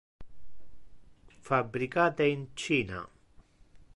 Fabricate in China.